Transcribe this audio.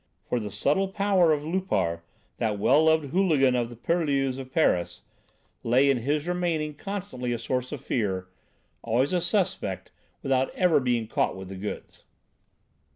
For the subtle power of Loupart, that well loved hooligan of the purlieus of Paris, lay in his remaining constantly a source of fear, always a suspect without ever being caught with the goods.